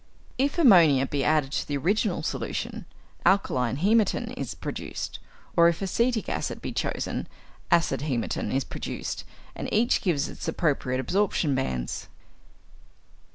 If ammonia be added to the original solution, alkaline hæmatin is produced, or if acetic acid be chosen, acid hæmatin is produced, and each gives its appropriate absorption bands.